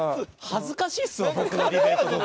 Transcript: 恥ずかしいっすわ僕のディベートとか。